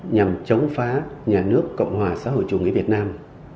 nhằm chống phá nhà nước cộng hòa xã hội chủ nghĩa việt nam